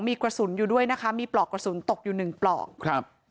มีกระสุนอยู่ด้วยนะคะมีปลอกกระสุนตกอยู่หนึ่งปลอกครับ